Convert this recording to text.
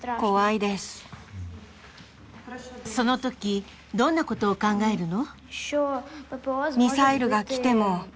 そのときどんなことを考えるの？